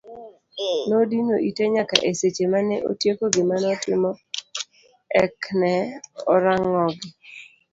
Nodino ite nyaka e seche mane otieko gima notimo ek ne orang'ogi.